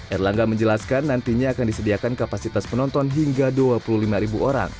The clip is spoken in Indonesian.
erlangga menjelaskan nantinya akan disediakan kapasitas penonton hingga dua puluh lima orang